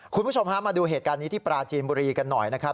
คุณผู้ชมฮะมาดูเหตุการณ์นี้ที่ปราจีนบุรีกันหน่อยนะครับ